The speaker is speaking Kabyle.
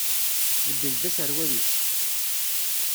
Tbeddel-d aserwal-is?